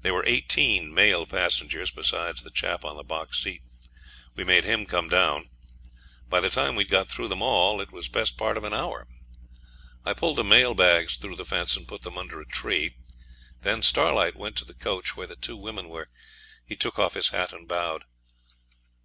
There were eighteen male passengers, besides the chap on the box seat. We made him come down. By the time we'd got through them all it was best part of an hour. I pulled the mail bags through the fence and put them under a tree. Then Starlight went to the coach where the two women were. He took off his hat and bowed.